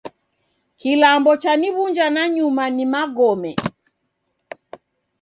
Kilambo chaniw'unja nanyuma ni magome.